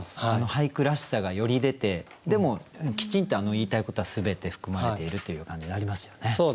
俳句らしさがより出てでもきちんと言いたいことは全て含まれているという感じになりますよね。